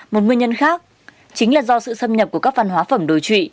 một nguyên nhân khác chính là do sự xâm nhập của các văn hóa phẩm đồi trụy